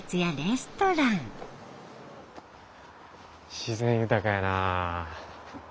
自然豊かやな。